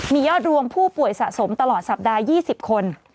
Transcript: มียอดรวมผู้ป่วยสะสมตลอดสัปดาห์๒๐คน